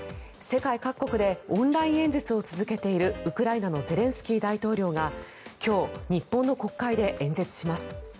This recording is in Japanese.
世界各国でオンライン演説を続けているウクライナのゼレンスキー大統領が今日、日本の国会で演説します。